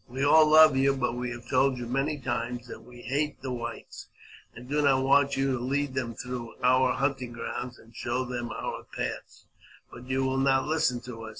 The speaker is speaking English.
We all love you, but we have told you many times that we hate the whites, and do not want you to lead them through our hunting grounds, and show them our paths ; but you will not listen to us.